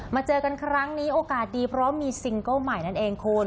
เจอกันครั้งนี้โอกาสดีเพราะมีซิงเกิ้ลใหม่นั่นเองคุณ